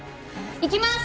いきます！